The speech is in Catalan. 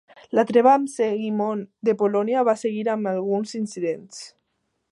La treva amb Segimon de Polònia va seguir amb alguns incidents.